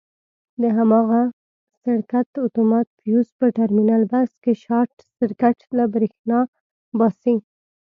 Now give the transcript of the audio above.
د هماغه سرکټ اتومات فیوز په ټرمینل بکس کې شارټ سرکټ له برېښنا باسي.